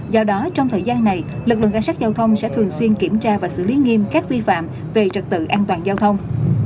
do đó trong thời gian này lực lượng cảnh sát giao thông sẽ thường xuyên kiểm tra và xử lý nghiêm các vi phạm về trật tự an toàn giao thông